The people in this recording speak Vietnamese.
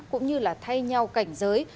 cũng như là thay nhau cảnh giới